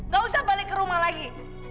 gak usah balik ke rumah lagi